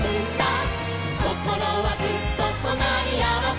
「こころはずっととなりあわせ」